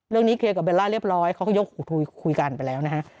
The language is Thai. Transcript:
และล่าเรียบร้อยเขาก็ยกคุยกันไปแล้ว